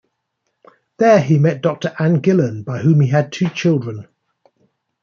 There he met Doctor Anne Gillen, by whom he had two children.